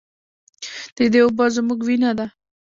د دې اوبه زموږ وینه ده